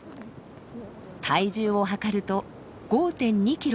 体重を量ると５．２キロ。